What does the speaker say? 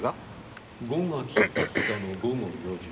５月２０日の午後４時。